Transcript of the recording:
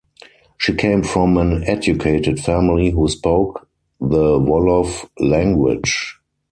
She came from an educated family who spoke the Wolof language.